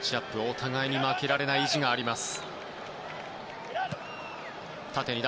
お互いに負けられない意地があります。